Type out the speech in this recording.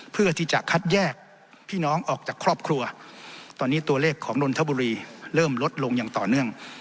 เพื่อที่จะคัดแยกพี่น้องออกจากครอบครัวตอนนี้ตัวเลขของนนทบุรีเริ่มลดลงอย่างต่อเนื่อง